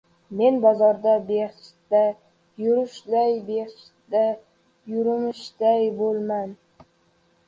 Men bozorda behishtda yurmishday-behishtda yurmishday bo‘laman.